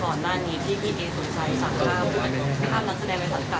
ก็มีการติดต่อต้องขอขอบคุณผู้ใหญ่ค่ะ